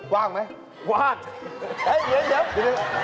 ว่างไหมว่างเดี๋ยวเดี๋ยว